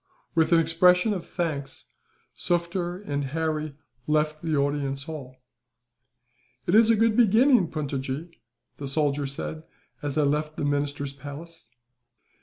With an expression of thanks, Sufder and Harry left the audience hall. "It is a good beginning, Puntojee," the soldier said, as they left the minister's palace.